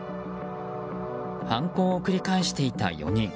犯行を繰り返していた４人。